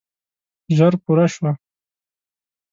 ژر پوره شوه.